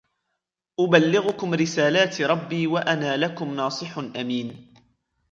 أُبَلِّغُكُمْ رِسَالَاتِ رَبِّي وَأَنَا لَكُمْ نَاصِحٌ أَمِينٌ